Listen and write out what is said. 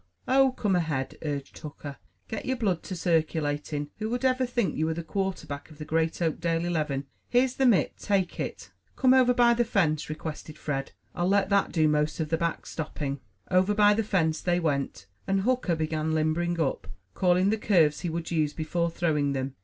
"Oh, come ahead," urged Hooker. "Get your blood to circulating. Who would ever think you were the quarter back of the great Oakdale eleven? Here's the mitt, take it." "Come over by the fence," requested Fred. "I'll let that do most of the backstopping." Over by the fence they went, and Hooker began limbering up, calling the curves he would use before throwing them.